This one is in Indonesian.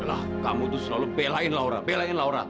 lah kamu tuh selalu belain laura belain laura